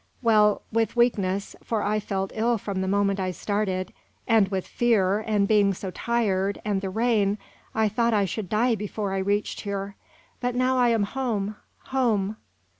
Well, with weakness for I felt ill from the moment I started and with fear, and being so tired, and the rain, I thought I should die before I reached here. But now I am home home!